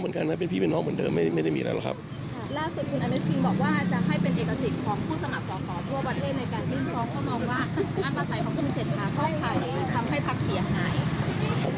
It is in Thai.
เพราะมองว่าอันประสาทของคุณเสร็จมาจะทำให้ภักษ์เสี่ยงน้าย